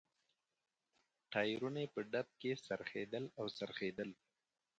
ټایرونه یې په ډب کې څرخېدل او څرخېدل.